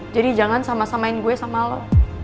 jadi jangan sama samain gue sama lo